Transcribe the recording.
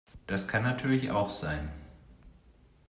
Das kann natürlich auch sein.